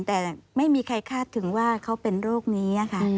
แต่ไม่มีใครคาดถึงว่าเขาเป็นโรคนี้ค่ะ